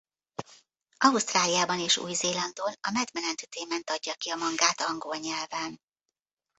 Ausztráliában és Új-Zélandon a Madman Entertainment adja ki a mangát angol nyelven.